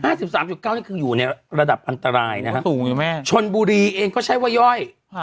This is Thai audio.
สิบสามจุดเก้านี่คืออยู่ในระดับอันตรายนะฮะสูงอยู่แม่ชนบุรีเองก็ใช้ว่าย่อย